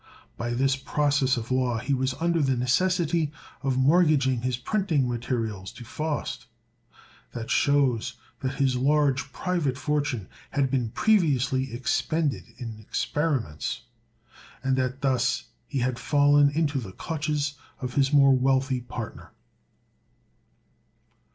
By this process of law, he was under the necessity of mortgaging his printing materials to Faust; this shows that his large private fortune had been previously expended in experiments, and that thus he had fallen into the clutches of his more wealthy partner.